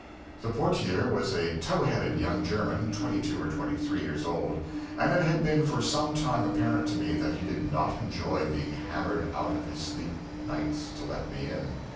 The portier was a tow headed young German, twenty two or three years old; and it had been for some time apparent to me that he did not enjoy being hammered out of his sleep, nights, to let me in.